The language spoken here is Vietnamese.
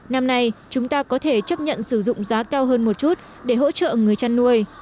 năm nay chúng ta có thể chấp nhận sử dụng giá cao hơn một chút để hỗ trợ người chăn nuôi